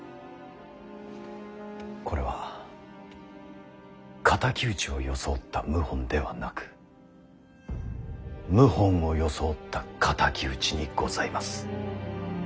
これは敵討ちを装った謀反ではなく謀反を装った敵討ちにございます。